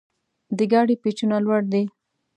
د ګاډي پېچونه لوړ دي.